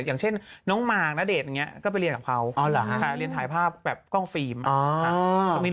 อย่างเช่นน้องมางณเดชอย่างนี้